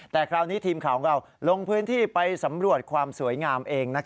แต่คราวนี้ทีมข่าวของเราลงพื้นที่ไปสำรวจความสวยงามเอง